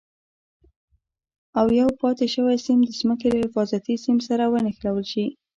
او یو پاتې شوی سیم د ځمکې له حفاظتي سیم سره ونښلول شي.